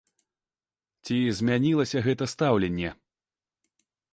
Ці змянілася гэта стаўленне?